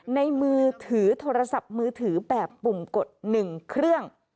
ในมือถือโทรศัพท์มือถือแบบปุ่มกด๑เครื่อง